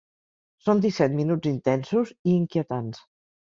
Són disset minuts intensos i inquietants.